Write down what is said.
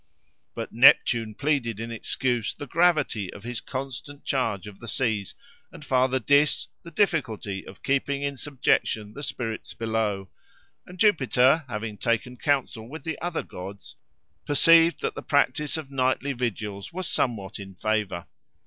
But Neptune pleaded in excuse the gravity of his constant charge of the seas, and Father Dis the difficulty of keeping in subjection the spirits below; and Jupiter, having taken counsel with the other gods, perceived that the practice of nightly vigils was somewhat in favour.